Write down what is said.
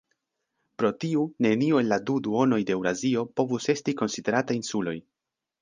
Pro tiu neniu el la du duonoj de Eŭrazio povus esti konsiderata insuloj.